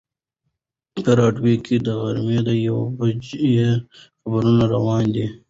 په راډیو کې د غرمې د یوې بجې خبرونه روان دي.